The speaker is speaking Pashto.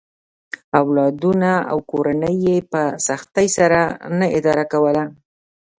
اولادونه او کورنۍ یې په سختۍ سره نه اداره کوله.